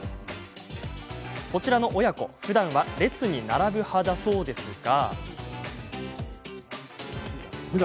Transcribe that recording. こちらの親子ふだんは列に並ぶ派だそうですが。